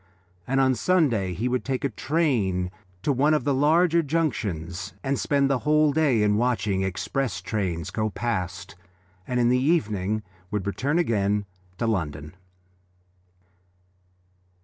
And on Sunday he would take a train to one of the large junctions and spend the whole day in watching express trains go past, and in the evening would return again to London.